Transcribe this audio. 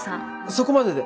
そこまでで。